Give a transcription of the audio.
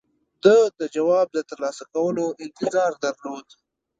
ده د جواب د ترلاسه کولو انتظار درلود.